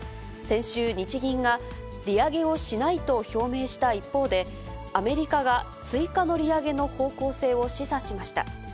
先週、日銀が利上げをしないと表明した一方で、アメリカが、追加の利上げの方向性を示唆しました。